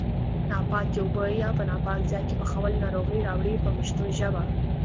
ناپاکې اوبه یا په ناپاک ځای کې پخول ناروغۍ راوړي په پښتو ژبه.